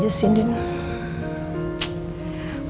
kok bisa sih ma kenapa